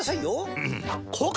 うん！